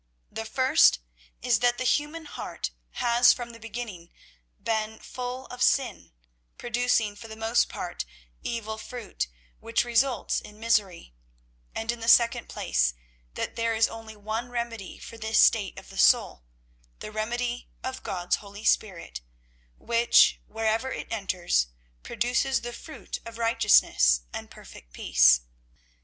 The first is that the human heart has from the beginning been full of sin, producing, for the most part, evil fruit, which results in misery; and in the second place, that there is only one remedy for this state of the soul, the remedy of God's Holy Spirit, which, wherever it enters, produces the fruits of righteousness and perfect peace.